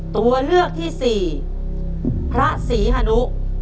ตัวเลือกที่สี่พระศรีฮนุ